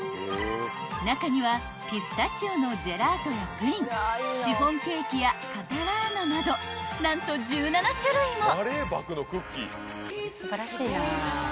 ［中にはピスタチオのジェラートやプリンシフォンケーキやカタラーナなど何と１７種類も！］